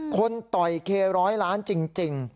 ต่อยเคร้อยล้านจริง